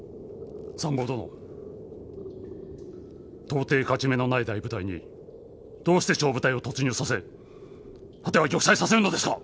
到底勝ち目のない大部隊にどうして小部隊を突入させ果ては玉砕させるのですか？